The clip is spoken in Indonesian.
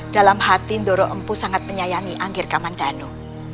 dalam hati doro empu sangat menyayangi anggir kamandano